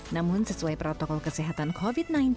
namun sesuai protokol kesehatan covid sembilan belas